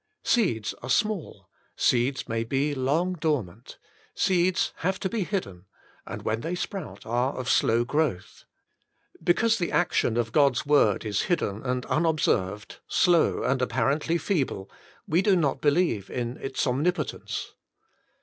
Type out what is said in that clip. Seeds are small, seeds may be long dormant, seeds have to be hidden, and when they sprout are of slow growth. Because the action of God's word is hidden and unobserved, slow and apparently feeble, we do not believe in its omnipotence.